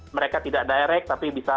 mereka tidak direct tapi bisa